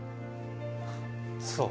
そう。